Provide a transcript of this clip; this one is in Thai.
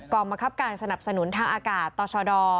กองมะครับการสนับสนุนทางอากาศตชด